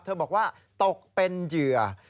บอกว่าตกเป็นเหยื่อ